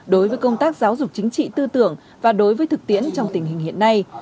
đối với công tác giáo dục chính trị tư tưởng và đối với thực tiễn trong tình hình hiện nay